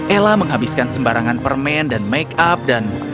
ella menghabiskan sembarangan permen dan make up dan